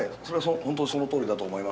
本当そのとおりだと思います。